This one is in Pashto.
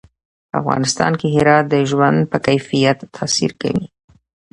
په افغانستان کې هرات د ژوند په کیفیت تاثیر کوي.